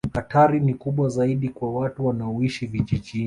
Hatari ni kubwa zaidi kwa watu wanaoishi vijijini